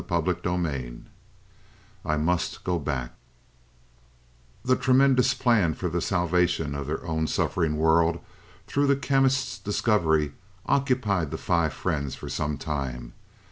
CHAPTER VIII "I MUST GO BACK" The tremendous plan for the salvation of their own suffering world through the Chemist's discovery occupied the five friends for some time.